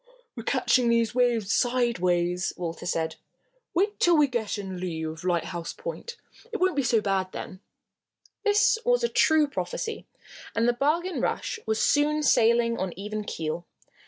"We're catching these waves sideways," Walter said. "Wait till we get in the lea of Lighthouse Point. It won't be so bad then." This was a true prophecy, and the Bargain Rush was soon sailing on even keel.